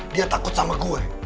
dia takut sama gue